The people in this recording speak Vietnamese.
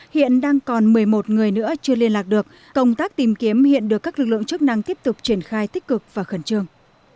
hiện đang còn một mươi một người nữa chưa liên lạc được công tác tìm kiếm hiện được các lực lượng chức năng tiếp tục triển khai tích cực và khẩn trương